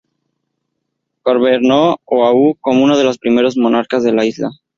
Gobernó Oʻahu como uno de los primeros monarcas de la isla.